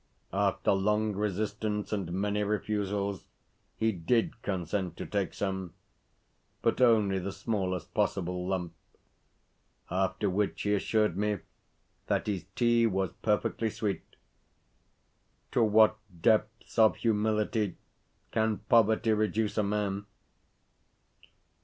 After long resistance and many refusals, he DID consent to take some, but only the smallest possible lump; after which, he assured me that his tea was perfectly sweet. To what depths of humility can poverty reduce a man!